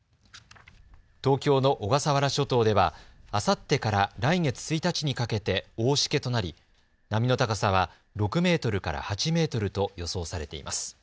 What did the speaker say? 東京の小笠原諸島ではあさってから来月１日にかけて大しけとなり波の高さは６メートルから８メートルと予想されています。